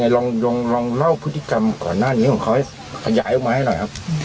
ลองเล่าพฤติกรรมก่อนหน้านี้ขยายมายังไงครับ